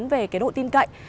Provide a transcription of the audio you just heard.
về cái độ tin cậy